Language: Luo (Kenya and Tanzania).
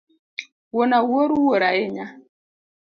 Wuon Awuor wuor ahinya